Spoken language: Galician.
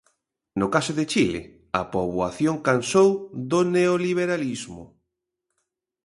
No caso de Chile a poboación cansou do neoliberalismo.